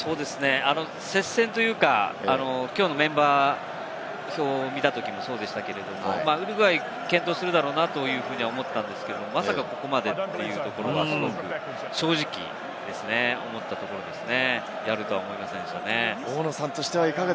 接戦というかきょうのメンバー表を見たときにウルグアイ、健闘するだろうなというふうに思ったんですけれど、まさかここまでっていうところが正直ですね、思ったところですね。